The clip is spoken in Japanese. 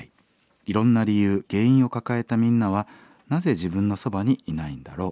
いろんな理由原因を抱えたみんなはなぜ自分のそばにいないんだろう。